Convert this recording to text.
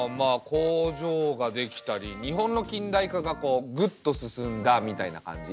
工場が出来たり日本の近代化がこうグッと進んだみたいな感じ？